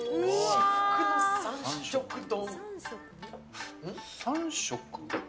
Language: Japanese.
至福の三色丼？